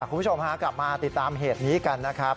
คุณผู้ชมฮะกลับมาติดตามเหตุนี้กันนะครับ